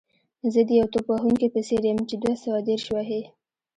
زه د یو توپ وهونکي په څېر یم چې دوه سوه دېرش وهي.